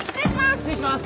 失礼します！